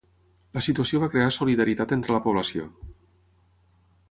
La situació va crear solidaritat entre la població.